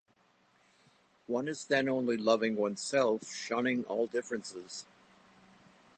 One is then only loving oneself, shunning all differences.